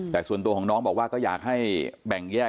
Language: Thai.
แต่ส่วนตัวของน้องบอกว่าก็อยากให้แบ่งแยก